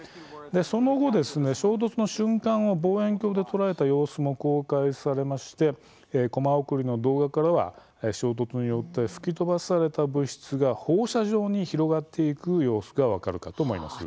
その後、衝突の瞬間を望遠鏡で捉えた様子も公開されましてコマ送りの動画からは衝突によって吹き飛ばされた物質が放射状に広がっていく様子が分かるかと思います。